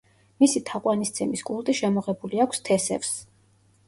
მისი თაყვანისცემის კულტი შემოღებული აქვს თესევსს.